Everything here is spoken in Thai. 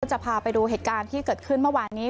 จะพาไปดูเหตุการณ์ที่เกิดขึ้นเมื่อวานนี้